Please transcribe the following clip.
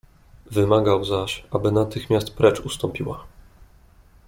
"Wymagał zaś, aby natychmiast precz ustąpiła."